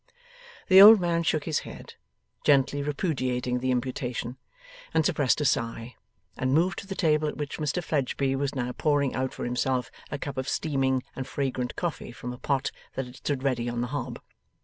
The old man shook his head, gently repudiating the imputation, and suppressed a sigh, and moved to the table at which Mr Fledgeby was now pouring out for himself a cup of steaming and fragrant coffee from a pot that had stood ready on the hob.